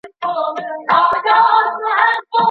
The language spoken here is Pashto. موږ به هيڅکله د انسان په بدل کې سوله ونکړو.